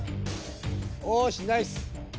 おしナイス。